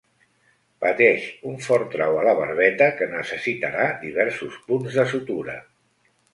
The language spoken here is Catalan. Pateix un fort trau a la barbeta que necessitarà diversos punts de sutura.